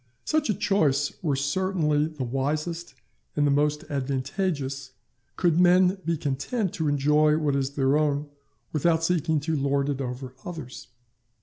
Such a choice were certainly the wisest and the most advantageous, could men be content to enjoy what is their own without seeking to lord it over others.